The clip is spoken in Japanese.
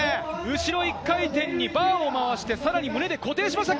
後ろ１回転にバーを回して、さらに胸で固定しました。